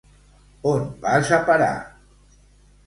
On vas a parar!